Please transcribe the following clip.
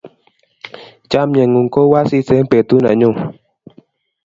chamiet ngun ko u asis eng' petut nenyun